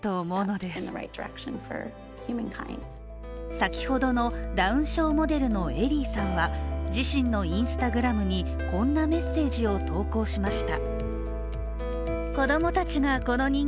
先ほどのダウン症モデルのエリーさんは自身のＩｎｓｔａｇｒａｍにこんなメッセージを投稿しました。